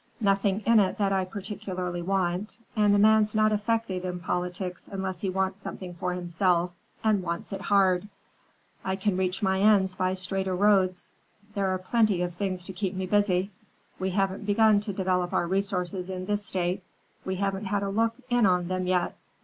Nothing in it that I particularly want; and a man's not effective in politics unless he wants something for himself, and wants it hard. I can reach my ends by straighter roads. There are plenty of things to keep me busy. We haven't begun to develop our resources in this State; we haven't had a look in on them yet.